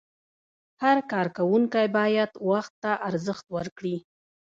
هر کارکوونکی باید وخت ته ارزښت ورکړي.